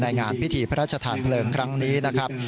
งานพิธีพระราชทานเพลิงครั้งนี้นะครับ